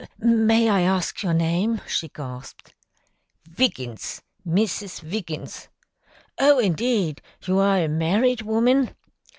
"May I ask your name?" she gasped. "Viggins, Mrs. Viggins." "Oh, indeed! You are a married woman?"